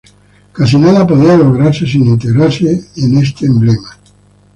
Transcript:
Casi nada podía lograrse sin integrarse a este emblema.